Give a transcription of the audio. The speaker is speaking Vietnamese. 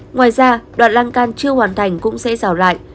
ngoài ra đoạn lan can chưa hoàn thành cũng sẽ rào lại